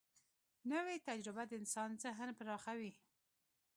نوې تجربه د انسان ذهن پراخوي